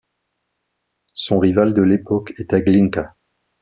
Son rival de l'époque était Glinka.